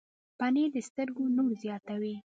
پنېر د سترګو نور زیاتوي.